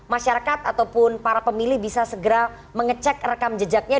masyarakat ataupun para pemilih bisa segera mengecek rekam jejaknya